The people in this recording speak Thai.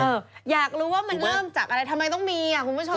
อยากรู้ว่ามันเริ่มจากอะไรทำไมต้องมีอ่ะคุณผู้ชม